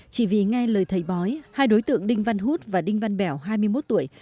chỉ vì nghe lời thầy bói hai đối tượng đinh văn hút và đinh văn bẻo hai mươi một tuổi